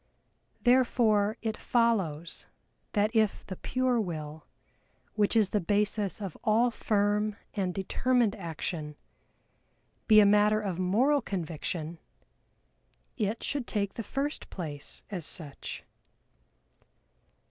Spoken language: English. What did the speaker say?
Therefore it follows that if the pure will, which is the basis of all firm and determined action, be a matter of moral conviction, it should take the first place as such.